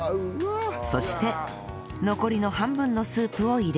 そして残りの半分のスープを入れます